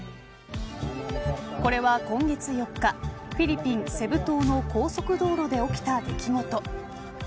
これは今月４日フィリピン、セブ島の高速道路で起きた出来事。